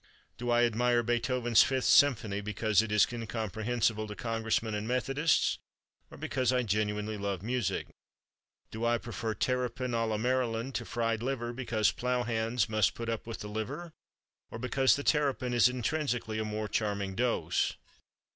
Do I admire Beethoven's Fifth Symphony because it is incomprehensible to Congressmen and Methodists—or because I genuinely love music? Do I prefer terrapin à la Maryland to fried liver because plow hands must put up with the liver—or because the terrapin is intrinsically a more charming dose?